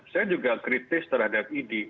saya juga kritis terhadap idi